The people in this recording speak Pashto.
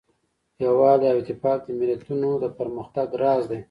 یووالی او اتفاق د ملتونو د پرمختګ راز دی.